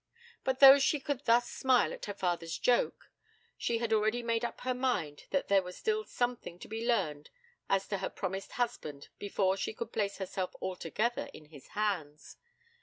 But though she could thus smile at her father's joke, she had already made up her mind that there was still something to be learned as to her promised husband before she could place herself altogether in his hands.